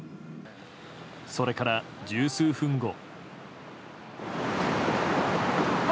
それから十数分後。